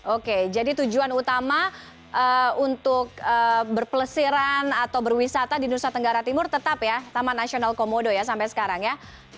oke jadi tujuan utama untuk berpelesiran atau berwisata di nusa tenggara timur tetap ya taman nasional komodo ya sampai sekarang ya